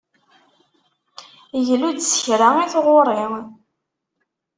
Glu-d s kra i tɣuri.